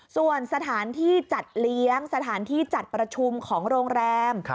ส่วนสถานที่จัดเลี้ยงสถานที่จัดประชุมของโรงแรม